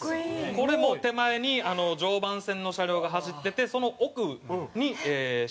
これも手前に常磐線の車両が走っててその奥に新幹線が走る。